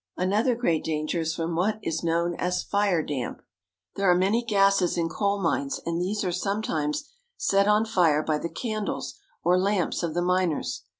Another great danger is from what is known as fire damp. There are many gases in coal mines, and these are sometimes set on fire by the candles or lamps of the miners.